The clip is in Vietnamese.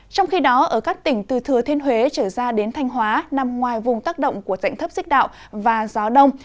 trong khi đó ở các tỉnh từ thừa thiên huế trở ra đến thanh hóa nằm ngoài vùng tác động của dạnh thấp xích đạo và gió đông